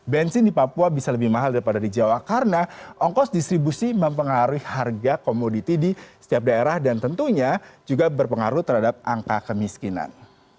bensin di papua bisa lebih mahal daripada di jawa karena ongkos distribusi mempengaruhi harga komoditi di setiap daerah dan tentunya juga berpengaruh terhadap angka kemiskinan